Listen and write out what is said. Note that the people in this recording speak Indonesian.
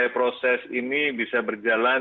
proses ini bisa berjalan